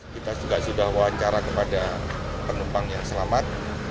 kita juga sudah wawancara kepada penumpang yang selamat